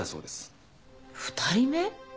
２人目？